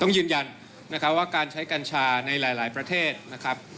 ต้องยืนยันนะครับว่าการใช้กัญชาในหลายประเทศนะครับ